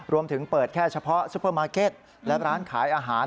รวมถึงเปิดแค่เฉพาะซุปเปอร์มาร์เก็ตและร้านขายอาหาร